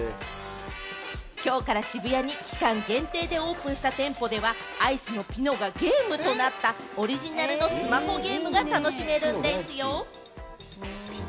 きょうから渋谷に期間限定でオープンした店舗では、アイスのピノがゲームとなったオリジナルのスマホゲームが楽しめるんですよ。